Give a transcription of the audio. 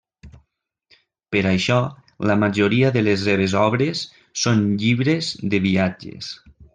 Per això la majoria de les seves obres són llibres de viatges.